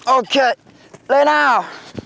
ok lên nào